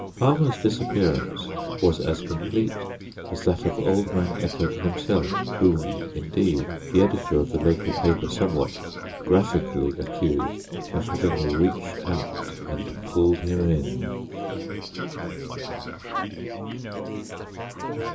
Palmer's disappearance was as complete as that of "old man Eckert" himself—whom, indeed, the editor of the local paper somewhat graphically accused of having "reached out and pulled him in."